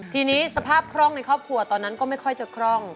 ทีนี้สภาพคล่องในครอบครัวตอนนั้นก็ไม่ค่อยจะคล่อง